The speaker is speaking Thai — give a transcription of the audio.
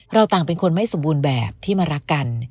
เราต่างเป็นคนไม่สมบูรณ์แบบที่มารักกัน